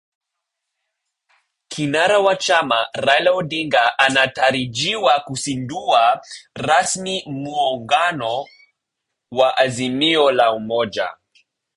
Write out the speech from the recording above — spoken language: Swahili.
Kinara wa Chama, Raila Odinga anatarajiwa kuzindua rasmi Muungano wa Azimio la umoja